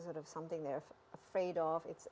sebagai sesuatu yang mereka takutkan